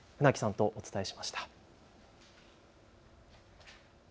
船木さんとお伝えしました。